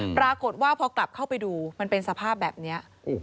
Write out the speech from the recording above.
ปรากฏว่าพอกลับเข้าไปดูมันเป็นสภาพแบบนี้